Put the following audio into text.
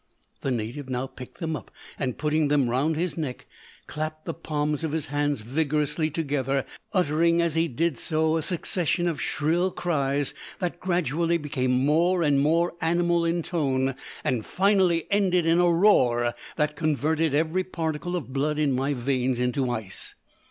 The native now picked them up, and, putting them round his neck, clapped the palms of his hands vigorously together, uttering as he did so a succession of shrill cries, that gradually became more and more animal in tone, and finally ended in a roar that converted every particle of blood in my veins into ice.